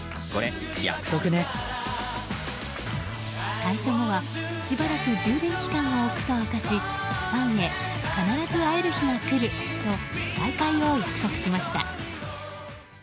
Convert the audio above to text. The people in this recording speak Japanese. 退所後はしばらく充電期間を置くと明かしファンヘ、必ず会える日が来ると再会を約束しました。